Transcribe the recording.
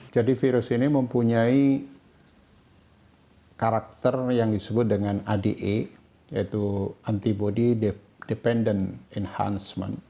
jadi virus ini mempunyai karakter yang disebut dengan ade yaitu antibody dependent enhancement